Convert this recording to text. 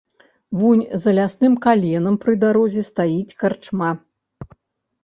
Вунь за лясным каленам, пры дарозе стаіць карчма.